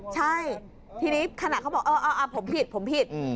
ใช่ทีนี้ขนาดเขาบอกเออผมผิดผมผิด